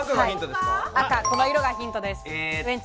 この色がヒントです。